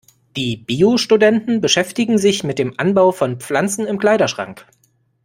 Die Bio-Studenten beschäftigen sich mit dem Anbau von Pflanzen im Kleiderschrank.